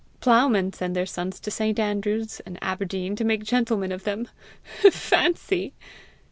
Ploughmen send their sons to St. Andrew's and Aberdeen to make gentlemen of them! Fancy!"